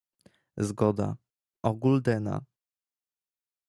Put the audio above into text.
"„Zgoda: o guldena."